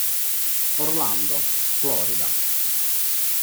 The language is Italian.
Orlando, Florida.